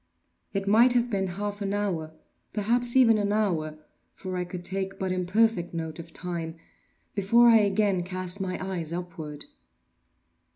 It might have been half an hour, perhaps even an hour, (for I could take but imperfect note of time) before I again cast my eyes upward.